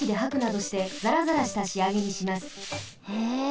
へえ。